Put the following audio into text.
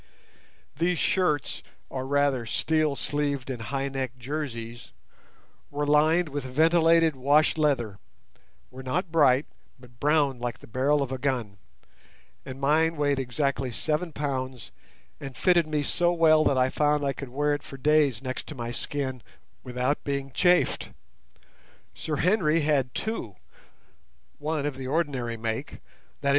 These shirts, or rather steel sleeved and high necked jerseys, were lined with ventilated wash leather, were not bright, but browned like the barrel of a gun; and mine weighed exactly seven pounds and fitted me so well that I found I could wear it for days next to my skin without being chafed. Sir Henry had two, one of the ordinary make, viz.